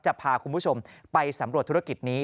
จะพาคุณผู้ชมไปสำรวจธุรกิจนี้